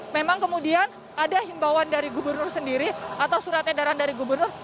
memang kemudian ada himbauan dari gubernur sendiri atau surat edaran dari gubernur